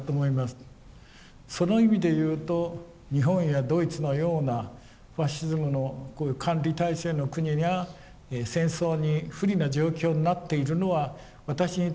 その意味で言うと日本やドイツのようなファシズムのこういう管理体制の国が戦争に不利な状況になっているのは私にとって非常に喜ばしいことです。